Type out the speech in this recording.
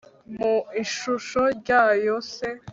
mu ishusho rya yo (x